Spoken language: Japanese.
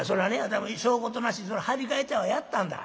私もしょうことなしに貼り替えてはやったんだ。